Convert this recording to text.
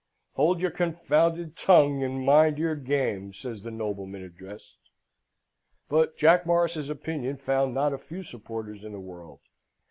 "Hold your confounded tongue, and mind your game!" says the nobleman addressed: but Jack Morris's opinion found not a few supporters in the world.